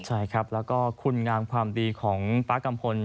ใช่ครับแล้วก็คุณงามความดีของป๊ากัมพล